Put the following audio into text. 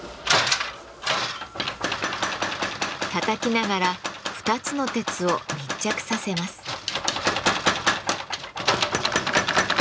たたきながら２つの鉄を密着させます。